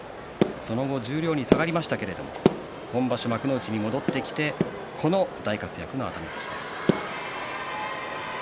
そのあと十両に下がりましたが今場所、幕内に戻ってきてこの大活躍の熱海富士です。